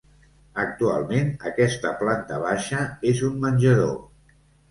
Actualment aquesta planta baixa és un menjador.